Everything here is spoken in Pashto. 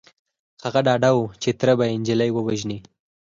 هغه ډاډه و چې تره به يې نجلۍ ووژني.